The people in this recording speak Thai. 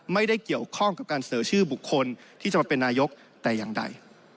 ไม่ได้เกี่ยวข้องกับการเสนอชื่อบุคคลที่จะมาเป็นนายกแต่อย่างใด